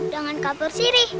dengan kapur sirih